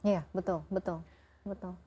iya betul betul